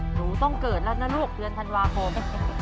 หนูต้องเกิดแล้วนะลูกเดือนธันวาคม